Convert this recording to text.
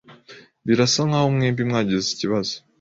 Birasa nkaho mwembi mwagize ikibazo.